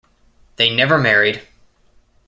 They never married.